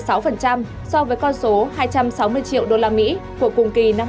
so với con số hai trăm sáu mươi triệu usd của cùng kỳ năm hai nghìn hai mươi